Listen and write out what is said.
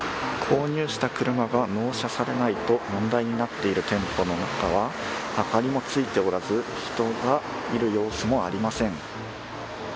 購入した車が納車されないと問題になっている店舗の中は明かりもついておらず人がいる様子もありません。